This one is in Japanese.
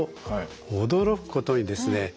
驚くことにですね